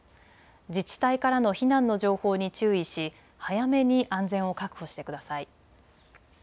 自治体からの避難の情報に注意し早めに安全を確保してください。